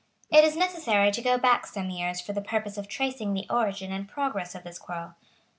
It is necessary to go back some years for the purpose of tracing the origin and progress of this quarrel.